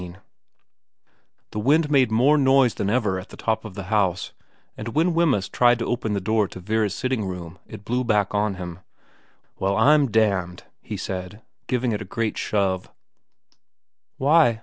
XIX THE wind made more noise than ever at the top of the house, and when Wemyss tried to open the door to Vera's sitting room it blew back on him. ' Well I'm damned,' he said, giving it a great shove. ' Why